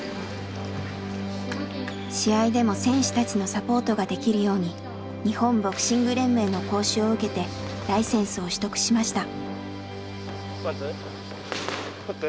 試合でも選手たちのサポートができるように日本ボクシング連盟の講習を受けてライセンスを取得しました。